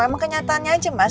emang kenyataannya aja mas